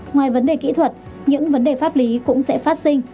ngoài vấn đề kỹ thuật những vấn đề pháp lý cũng sẽ phát sinh